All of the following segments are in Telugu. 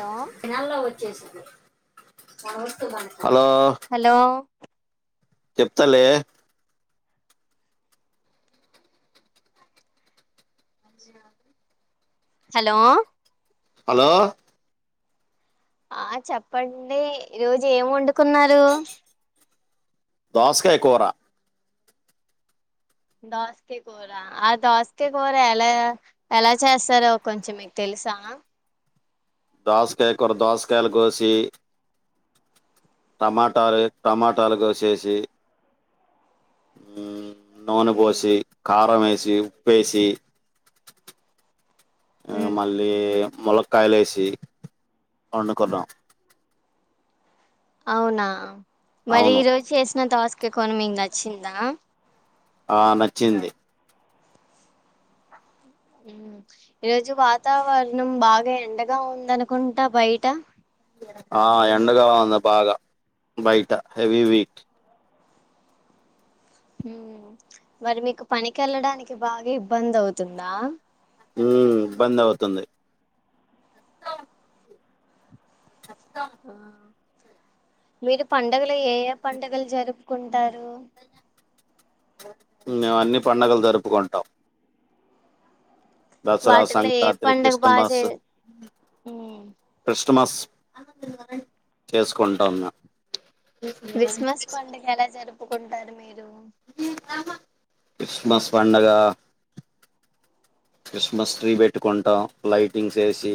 హలో నల్లగా వచ్చేసింది మన వస్తువు మనకి హలో చెప్తలే హలో హలో ఆ చెప్పండి రోజు కున్నారు దాస్కాయ కోరా దోసక కూర ఆ దోసక కూర ఎలా ఎలా చేస్తారో కొంచెం మీకు తెలుసా దాస్కాయ కొర దాస్కాయలు కోసి టమాటాలు టమాటాలుగాసేసి ఆ నూనె పోసి కారం వేసి ఉప్పు వేసి ఉమ్ మళ్ళీ మొలక్కయలు వేసి వండుకున్నాం అవునా మరి ఈ అవును రోజు చేసిన దొస్ క్కే కొని మీకు నచ్చిందా ఆ నచ్చింది ఈరోజు వాతావరణం బాగా ఎండగా ఉందనుకుంటా బయట ఆ ఎండగా ఉంది బాగా బయట హెవీ వీట్ మరి మీకు పనికి వెళ్ళడానికి బాగా ఇబ్బంది అవుతుందా ఉ ఇబ్బంద్ అవుతుంది అ చుప్ ఆ, మీరు పండుగలు ఏ ఏ పండుగలు జరుపుకుంట దారు మేము అన్ని పండుగలు జరుపుకుంటాం దసరా వాటిలో ఏ సంక్రాంతి పండగ బాగా చే క్రిస్టమస్ స్మస్ చేసుకుంటాన్నా క్రిస్మస్ పండుగ ఎలా జరుపు కుంటారు మీరు క్రిస్మస్ పండగ క్రిస్మస్ ట్రీ పెట్టుకుంటాం లైటింగ్స్ వేసి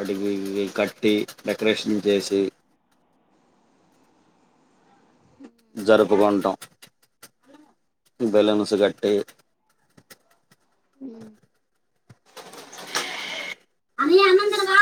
అడిగి కట్టి డెకరేషన్ చేసి. జరుపుకుంటాం బెలూన్స్ కట్టి ఉమ్ అది అన్నందు కదా